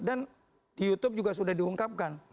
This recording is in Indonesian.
dan di youtube juga sudah diungkapkan